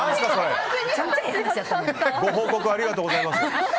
ご報告ありがとうございます。